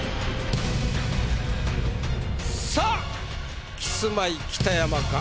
さあキスマイ北山か？